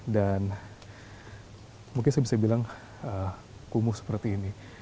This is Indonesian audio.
dan mungkin saya bisa bilang kumuh seperti ini